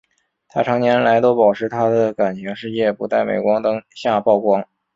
她长年来都保持她的感情世界不在镁光灯下曝光。